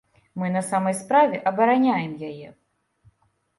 Мы на самай справе абараняем яе.